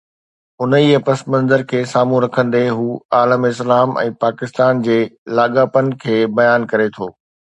انهيءَ پس منظر کي سامهون رکندي هو عالم اسلام ۽ پاڪستان جي لاڳاپن کي بيان ڪري ٿو.